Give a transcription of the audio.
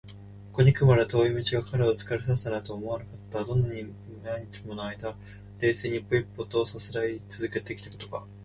ここにくるまでの遠い道が彼を疲れさせたなどとは思われなかった。どんなに何日ものあいだ、冷静に一歩一歩とさすらいつづけてきたことか！